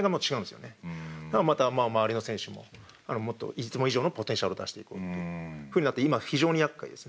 また周りの選手ももっといつも以上のポテンシャルを出していこうってふうになって今非常にやっかいですね。